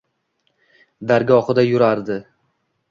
Dargohida yurardi.